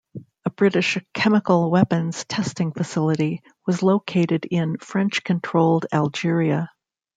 A British chemical weapons testing facility was located in French-controlled Algeria.